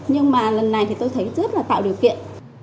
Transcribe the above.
nhưng mà lần này thì tôi thấy rất là tạo điều kiện